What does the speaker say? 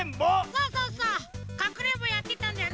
そうそうそうかくれんぼやってたんだよね。